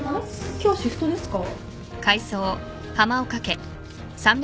今日シフトですか？